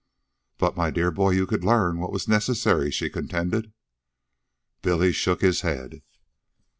"But, my dear boy, you could learn what was necessary," she contended. Billy shook his head.